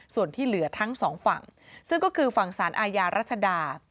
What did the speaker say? ส่วนที่เหลือทั้งสองฝั่งซึ่งก็คือฝั่งสารอาญารัชดา